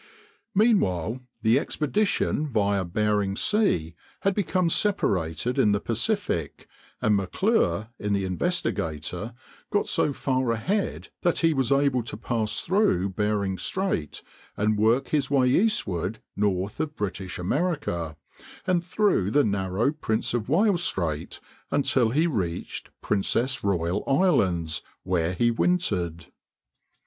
] Meanwhile the expedition via Bering Sea had become separated in the Pacific, and M'Clure, in the Investigator, got so far ahead that he was able to pass through Bering Strait and work his way eastward north of British America, and through the narrow Prince of Wales Strait until he reached Princess Royal Islands, where he wintered.